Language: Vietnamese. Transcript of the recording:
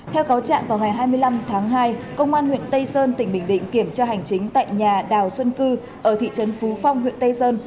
theo cáo trạng vào ngày hai mươi năm tháng hai công an huyện tây sơn tỉnh bình định kiểm tra hành chính tại nhà đào xuân cư ở thị trấn phú phong huyện tây sơn